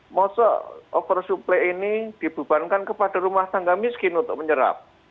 maksudnya oversupply ini dibebankan kepada rumah tangga miskin untuk menyerap